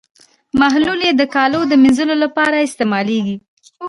محلول یې د کالیو د مینځلو لپاره استعمالیږي.